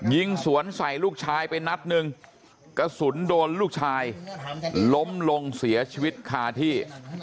ยิงสวนใส่ลูกชายไปนัดหนึ่งกระสุนโดนลูกชายล้มลงเสียชีวิตคาที่